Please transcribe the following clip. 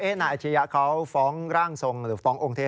นายอาชียะเขาฟ้องร่างทรงหรือฟ้ององค์เทพ